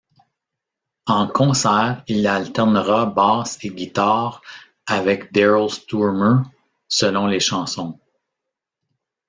En concert, il alternera basse et guitare avec Daryl Stuermer selon les chansons.